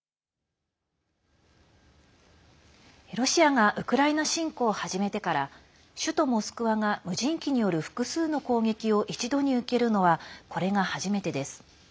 ロシアがウクライナ侵攻を始めてから首都モスクワが無人機による複数の攻撃を一度に受けるのはこれが初めてです。